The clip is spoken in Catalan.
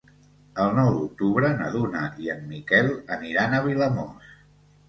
El nou d'octubre na Duna i en Miquel aniran a Vilamòs.